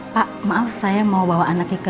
pak maaf saya mau bawa anaknya ke